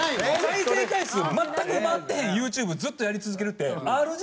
再生回数全く回ってへんユーチューブずっとやり続けるってＲＧ